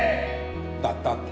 だったって。